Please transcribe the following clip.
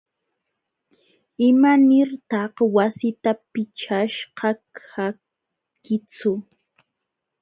¿Imanirtaq wasita pichashqa kankitsu?